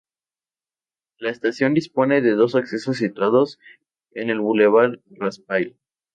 La estación dispone de dos accesos situados en el bulevar Raspail.